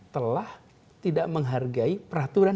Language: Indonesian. telah tidak menghargai peraturan